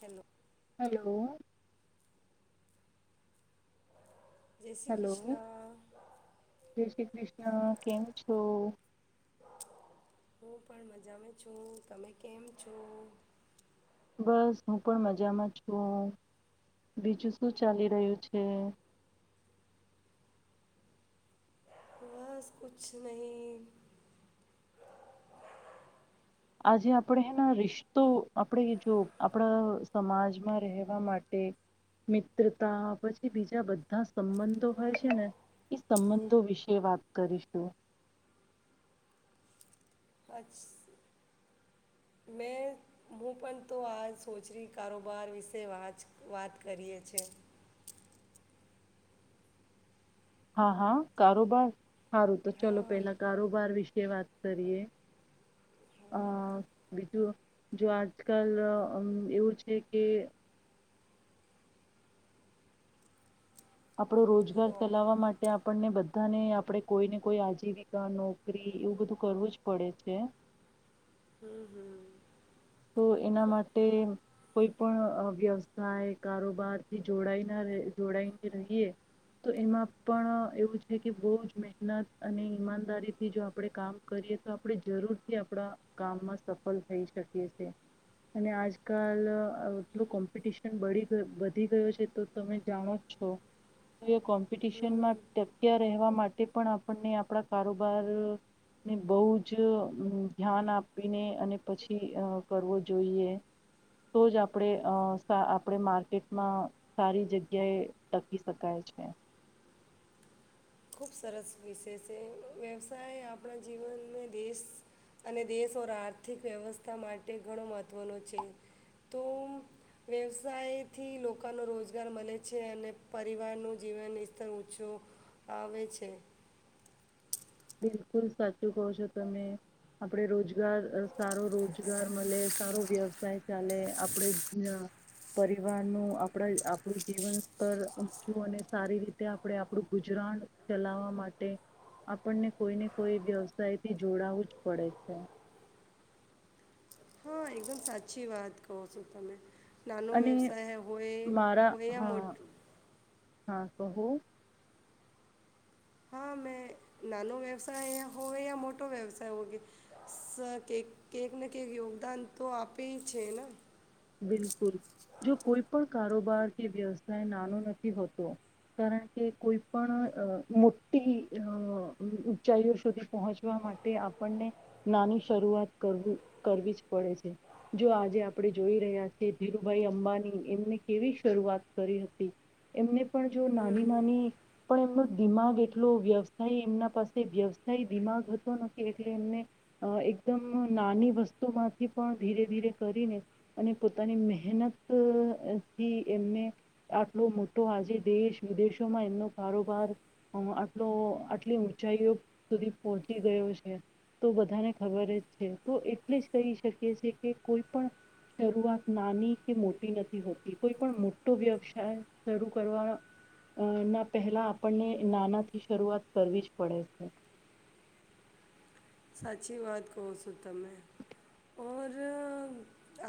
Hello. Hello. જય Shri hello Krishna જય શ્રી કૃષ્ણ, કેમ છો? હું પણ મજામાં છું. તમે કેમ છો? બસ હું પણ મજામાં છું બીજું શું ચાલી રહ્યું છે? બસ કુછ નહીં. આજે આપણેના હેના રિશ્તો આપણે જો આપણા સમાજમાં રહેવા માટે મિત્રતા પછી બીજા બધા સંબંધો હોય છે ને એ સંબંધો વિશે વાત કરીશું. મે હું પણ તો આ સોચરી કારોબાર વિશે વા વાત કરીયએ છે. હા હા કારોબાર સારું તો ચલો હા પેલા કારોબાર વિશે વાત કરીએ અ હા બીજું જો આજકાલ એવું છે કે આપડો રોજ ઘર હલો ચલાવવા માટે અપ આપણને બધાને આપણે કોઈને કોઈ આજીવિકા નોકરી એવું બધું કરવું જ પડે છે. હમ્મ હમ્મ. તો એના માટે કોઈ પણ વ્યવસાય કારોબારથી જોડાાયના જોડાઈને રહીએ તો એમાં પણ એવું છે કે બહ જ મહેનત અને ઈમાનદારીથી જો આપણે કામ કરીએ, તો આપણે જરૂરથી આપણા કામમાં સફળ થઈ શકીએ. અને આજકાલ એટલું કોમ્પિટિશન બી વધી ગયો છે, તો તમે જાણો છો હમ [inaudible] રહેવા માટે પણ આપણને આપણા કારોબાર ને બહ જ ધ્યાન આપીને અને પછી કરવો જોઈએ, તો જ આપણે આપણે માર્કેટમાં સારી જગ્યાએ ટકી શકાય છે. ખૂબ સરસ વિષય છે વ્યવસાય આપણા જીવનને દેશ અને દેશ ઓર આર્થિક વ્યવસ્થા માટે ઘણો મહત્ત્વનો છે, તો વ્યવસાયથી લોકોનો રોજગાર મળે છે, અને પરિવારનું જીવન સ્તર ઓછો આવે છે. બિલકુલ સાચું કહો છો તમે, આપડે રોજગાર સારો રોજગાર મળે સારો વ્યવસાય ચાલે આપણે પરિવારનું આપણા આપણું જીવન સ્તર ઊચું અને સારી રીતે આપણે આપણું ગુજરાન ચલાવા માટે આપણને કોઈ ને કોઈ વ્યવસાય થી જોડાવું જ પડે છે. હા એકદમ સાચી વાત કહો છો તમે. નાનો અને વ્યવસાય હોય, મારા હોય હા મોટું હા કહું. હા મેં નાનો વ્યવસાય હોય યા મોટો વ્યવસાય હો, કે કકને કંક યોગદાન તો આપે છે ને. બિલકુલ જો કોઈ પણ કારોબાર કે વ્યવસાય નાનો નથી હોતો કારણ કે કોઈ પણ મોટી અ ઊંચાઈઓ સુધી પહોંચવા માટે, આપણને નાની શરૂઆત કર કરવી જ પડે છે, જો આજે આપણે જોઈ રહ્યા છે ધીરુભાઈ અંબાની એમને કેવી શરૂઆત કરી હતી. એમને પણ જો નાની નાની પણ એમનો દિમાગ એટલો વ્યવસાય એમના પાસે વ્યવસાય દિમાગ હતો નથી એટલે એમને અહ એકદમ નાની વસ્તુમાંથી પણ ધીરે ધીરે કરીને અને પોતાની મહેનત અહ થી એમને આટલો મોટો આજે દેશ વિદેશોમાં એમનો કારોબાર અહ આટલો આટલી ઊંચાઈઓ સુધી પહોંચી ગયો છે તો બધાને ખબર જ છે તો એટલે જ કહી શકીએ છીએ કે કોઈ પણ શરૂઆત નાની કે મોટી નથી હોતી કોઈ પણ મોટો વ્યવસાય શરૂ કરવા અહ ના પહેલા આપણને નાના થી શરૂઆત કરવી જ પડે છે. સાચી વાત કહું છું તમે. ઓર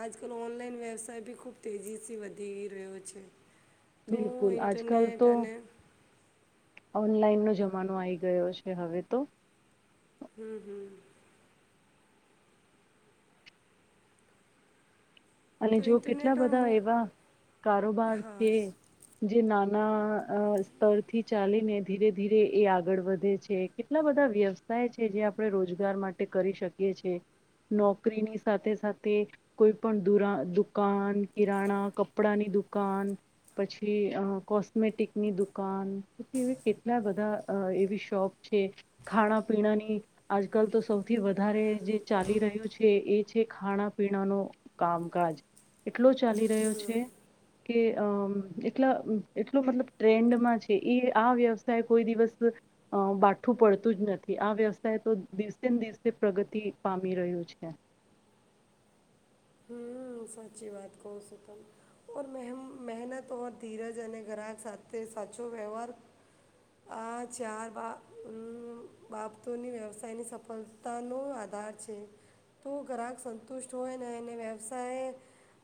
આજકાલ ઓનલાઈન વ્યવસાય બી ખૂબ તેજીસી વધી રહ્યો છે. તો બિલકુલ આજકાલ ઇન્ટરનેટ તો અને ઓનલાઈન નો જમાનો આઈ ગયો છે હવે તો. હમ્મ, હમ્મ. અને તો જો કેટલા ઇન્ટરનેટ ઓર બધા મુ એવા કારોબાર હા છે જે નામ ના અહ સ્તરથી ચાલીને ધીરે ધીરે એ આગળ વધે છે. કેટલા બધા વ્યવસાય છે જે આપડે રોજગાર માટે કરી શકીએ છે નોકરીની સાથે સાથે કોઈ પણ દુરાન દુકાન કિરાણા કપડાની દુકાન પછી અહ કોસ્મેટિકની દુકાન તો કેવી એ કેટલા બધા અહ એવી શોપ છે ખાણા પીણાની આજકાલ તો સૌથી વધારે જે ચાલી રહ્યું છે એ છે ખાણા પીણાનો કામકાજ એટલો ચાલી રહ્યો છે કે અમ્મ એટલા એટલો મતલબ ટ્રેન્ડમાં છે એ આ વ્યવસાય કોઈ દિવસ અહ બાઠું પડતું જ નથી આ વ્યવસાય તો દિવસે ને દિવસે પ્રગતિ પામી રહ્યું છે. હમ્મ, સાચી વાત કહું છું તમે. ઔર મેહ મહેનત ઓર ધીરજ અને ગ્રાહક સાથે સાચો વ્યવહાર આ ચાર બા અમ્મ બાબતોની વ્યવસાયની સફળતાનો આધાર છે. તો ગ્રાહક સંતુષ્ટ હોય ને એને વ્યવસાય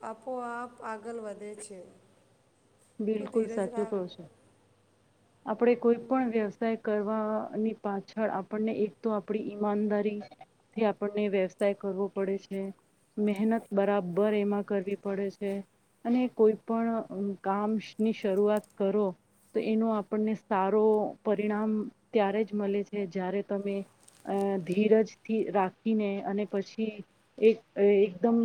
આપોઆપ આગલ વધે છે. તો બિલકુલ ધીરજ સાચું કહો રાખ છો. આપડે કોઈ પણ વ્યવસાય કર વા ની પાછળ આપણને એક તો આપડી ઈમાનદારીથી આપણને વ્યવસાય કરવો પડે છે. મહેનત બરાબર એમાં કરવી પડે છે. અને કોઈ પણ અહ કામ ની શરૂઆત કરો તો એનો આપણને સારો પરિણામ ત્યારે જ મલે છે જ્યારે તમે અહ ધીરજથી રાખીને અને પછી એક એકદમ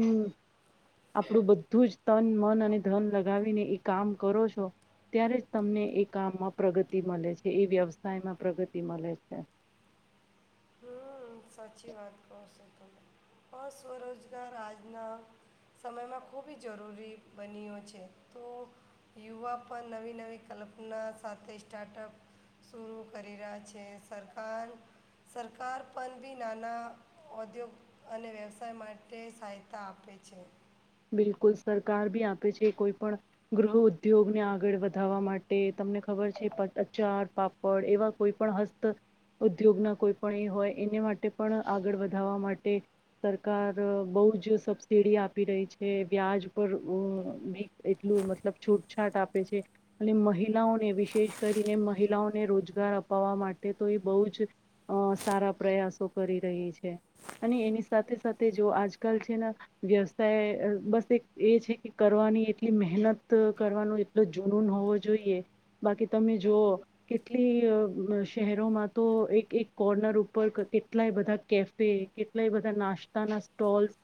આપડું બધું જ તન મન અને ધન લગાવીને એ કામ કરો છો ત્યારે જ તમને એ કામમાં પ્રગતિ મલે છે, એ વ્યવસાયમાં પ્રગતિ મલે છે. હમ સાચી વાત કહો છો ત પણ સ્વરોજગાર આજના સમયમાં ખૂબ જરૂરી બન્યો છે તો યુવા પણ નવી નવી કલ્પના સાથે સ્ટાર્ટઅપ શુરું કરી રહ્યા છે સરકાર સરકાર પણ બી નાના ઔદ્યોગ અને વ્યવસાય માટે સહાયતા આપે છે બિલકુલ સરકાર બી આપે છે કોઈ પણ ગૃહ ઉદ્યોગને આગળ વધારવા માટે તમને ખબર છે અચાર પાપડ એવા કોઈ પણ હસ્ત ઉદ્યોગના કોઈ પણ એ હોય એને માટે પણ આગળ વધાવવા માટે સરકાર બોહ જ સબસીિડી આપી રહી છે વ્યાજ પરી એટલું મતલબ છૂટછાટ આપે છે અને મહિલાઓને વિશેષ કરીને મહિલાઓને રોજગાર અપાવવા માટે તો એ બહુ જ સારા પ્રયાસો કરી રહી છે અને એની સાથે સાથે જો આજકાલ છેને વ્યવસાય બસ એક એ છે કે કરવાની એટલી મહેનત કરવાનું એટલો જુનૂન હોવો જોઈએ બાકી તમે જોઓ કેટલી શહેરોમાં તો એક એક કોર્નર ઉપર કેટલાય બધા કેફે કેટલાય બધા નાસ્તાના સ્ટોલ્સ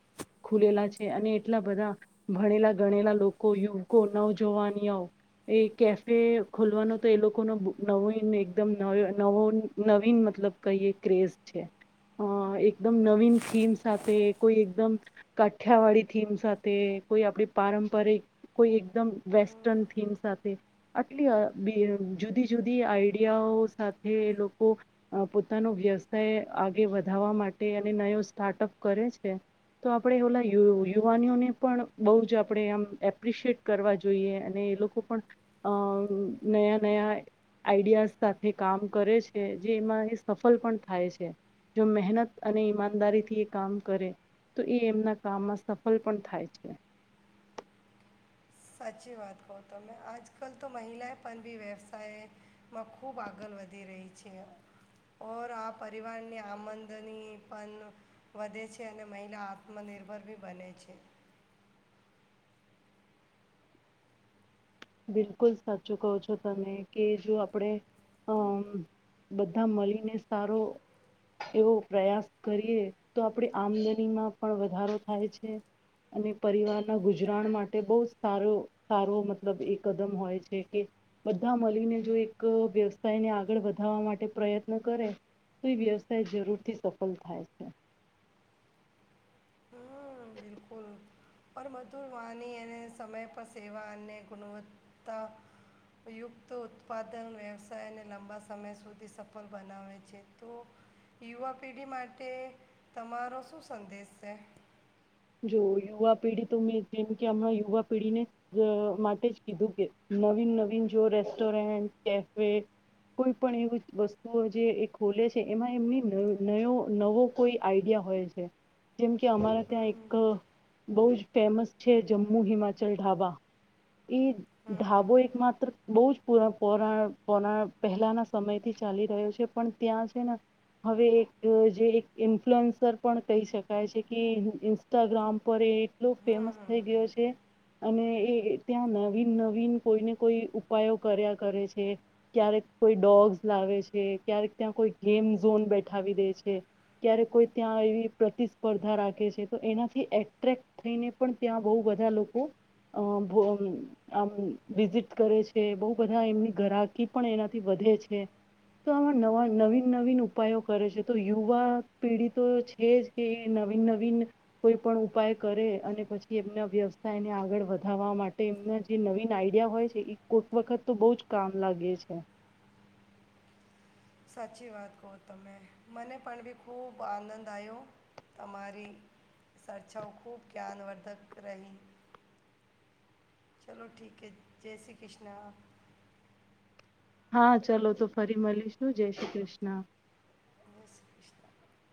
ખુલેલા છે અને એટલા બધા ભણેલા ગણેલા લોકો યુવકો નવજવાનિયા એ કેફે ખોલવાનો તો એ લોકોનો નવ એકદમ નવ નવીન મતલબ કઈ ક્રેઝ છે અ એકદમ નવીન થીમ સાથે કોઈ એકદમ કાઠિયાવાડી થીમ સાથે કોઈ આપડી પારંપરિક કોઈ એકદમ વેસ્ટર્ન થીમ સાથે આટલી બી જુદી જુદી આઈડિયાઓ સાથે લોકો પોતાનો વ્યવસાય આગે વધારવા માટે અને નયો સ્ટાર્ટઅપ કરે છે તો આપણેે ઓલા યુ યુ યુવાનીઓને પણ બહુ જ આપણે આમ એપ્રિશિએટ કરવા જોઈએ અને એ લોકો પણ નયા નયા આઈડિયાઝ સાથે કામ કરે છે જે એમાં એ સફળ પણ થાય છે જો મહેનત અને ઈમાનદારીથી એ કામ કરે તો એ એમના કામમાં સફ ફલ પણ થાય છે સાચી વાત કહ તમે આજકાલ તો મહિલાએ પણ બી વ્યવસાયમાં ખુબ આગળ વધી રહી છે ઓર આ પરિવારની આમદની પણ વધે છે અને મહિલા આત્મનિર્ભર બી બને છે બિલકુલ સાચું કહો છો તમે કે જો આપણેે અમ બધા મળીને સારો એવો પ્રયાસ કરીએ તો આપડી આમદનીમાં પણ વધારો થાય છે અને પરિવારના ગુજરાણ માટે બહુ સારો સારો મ મતલબ એ કદમ હોય છે કે બધા મળીને જો એક વ્યવસાયને આગળ વધારવા માટે પ્રયત્ન કરે તો એ વ્યવસાય જરૂરથી સફળ થાય છે હમ બિલકુલ પર મધુર માની એને સમય પર સેવા અને ગુણવત્તાયુક્ત ઉત્પાદન વ્યવસાયને લાંબા સમય સુધી સફળ બનાવે છે તો યુવા પેઢી માટે તમારો શું સંદેશ છે જો યુવા પેી તો મેં જેમ કે હમણા યુવા પેઢીને માટે જ કીધું કે નવીન નવીન જો રેસ્ટોરન્ટ કેફે કોઈ પણ એવી વસ્તુઓ જે એ ખોલે છે એમાં એમની નવો કોઈ આઈડિયા હોય છે જેમકે અમારા ત્યાં એક બહુ જ ફેમસ છે જમ્મુ હિમાચલ ઢાબા ઈ ધાબો એકમાત્ર બહુ જ પરણ પોરાણ પોરાણ પહેલાના સમયથી ચાલી રહ્યો છે પણ ત્યાં છે ને હવે એક જે એક ઇન્ફ્લુઅન્સર પણ કહી શકાય છે કે ઈન્સ્ટાગ્રામ પર એક એટલું ફેમસ થઈ ગયો છે અને એ ત્યાં નવીન નવીન કોઈને કોઈ ઉપાયો કર્યા કરે છે ક્યારેક કોઈ ડોગ્સ લાવે છે ક્યારેક ત્યાં કોઈ ગેમ ઝોન બેઠાવી દે છે ક્યારેક કોઈ ત્યાં એવી પ્રતિસ્પર્ધા રાખે છે તો એનાથી એટ્રેક્ટ થઈને પણ ત્યાં બહુ બધા લોકો, આમ વિઝિટ કરે છે બહુ બધા એમની ગરાકી પણ એનાથી વધે છે, તો આમાં નવા નવીન નવીન ઉપાયો કરે છે તો યુવા પેઢી તો છે જ કે નવીન નવીન કોઈ પણ ઉપાય કરે અને પછી એમના વ્યવસાયને આગળ વધવા માટે એમના જે નવીન આઈડિયા હોય છે એ કોક વખત તો બહુ જ કામ લાગે છે. સાચી વાત કહો તમે, મને પણ ભી ખુબ આનંદ આવ્યો, તમારી ચર્ચાઓ ખૂબ જ્ઞાનવર્ધક રહી, ચલો ઠીકે જય શ્રી કૃષ્ણ. હા ચલોો તો ફરી મળીશું જય શ્રી કૃષ્ણ. [inaudible]